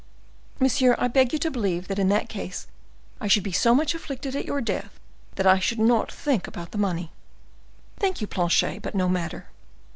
"Monsieur, I beg you to believe that in that case I should be so much afflicted at your death, that I should not think about the money." "Thank you, Planchet; but no matter.